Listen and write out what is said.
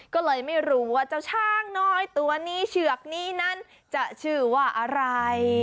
ก็เลยไม่รู้ว่าเจ้าช้างน้อยตัวนี้เฉือกนี้นั้นจะชื่อว่าอะไร